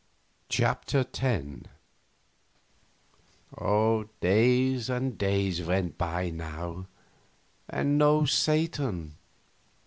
CHAPTER X Days and days went by now, and no Satan.